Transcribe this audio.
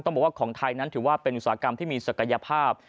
บอกว่าของไทยนั้นถือว่าเป็นอุตสาหกรรมที่มีศักยภาพ